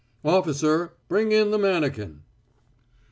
"Officer! Bring in the mannikin!